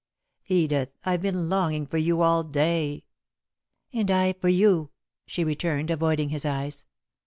"Edith! I've been longing for you all day!" "And I for you," she returned, avoiding his eyes.